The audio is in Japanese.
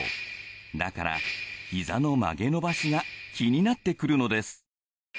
だからひざの曲げ伸ばしが気になってくるのです。